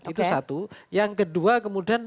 itu satu yang kedua kemudian